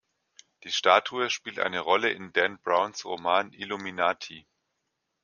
Die Statue spielt eine Rolle in Dan Browns Roman Illuminati.